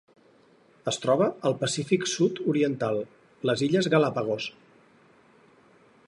Es troba al Pacífic sud-oriental: les illes Galápagos.